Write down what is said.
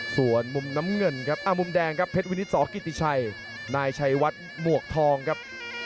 ส่วนมุมน้ำเงินครับมุมแดงครับเพชรวินิตสกิติชัยนายชัยวัดหมวกทองครับ